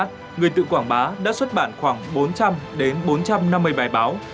sự quảng bá đã xuất bản khoảng bốn trăm linh bốn trăm năm mươi bài báo